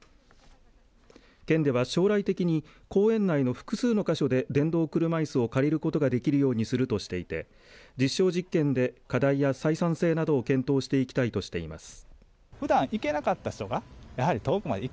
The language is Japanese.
県では、将来的に公園内の複数の箇所で電動車いすを借りることができるようにするとしていて実証実験で課題や採算性などを検討していきたいとしています。